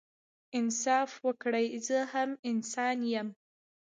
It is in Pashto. انصاف وکړئ زه هم انسان يم